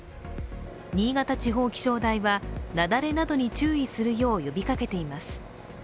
新潟地方気象台は雪崩などに注意するよう呼びかけています。